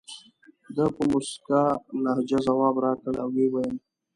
ده په موسکۍ لهجه ځواب راکړ او وویل.